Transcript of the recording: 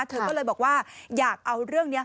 เธอก็เลยบอกว่าอยากเอาเรื่องนี้